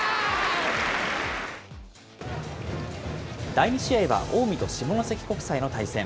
第２試合は近江と下関国際との対戦。